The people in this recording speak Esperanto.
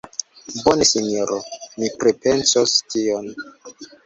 Bone, sinjoro; mi pripensos tion.